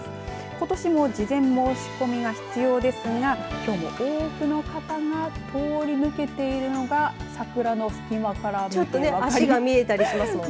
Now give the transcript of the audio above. ことしも事前申し込みが必要ですがきょうも多くの方が通り抜けているのが桜の隙間から見えますが。